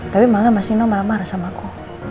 tapi malah mas inno marah marah sama aku